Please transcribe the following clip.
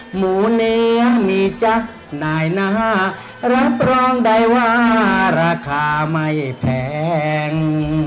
หมูเนื้อมีจ๊ะนายหน้ารับรองได้ว่าราคาไม่แพง